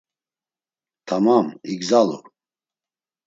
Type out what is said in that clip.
Tamam, igzalu.